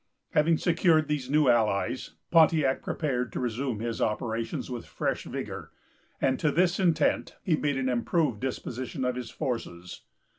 Having secured these new allies, Pontiac prepared to resume his operations with fresh vigor; and to this intent, he made an improved disposition of his forces.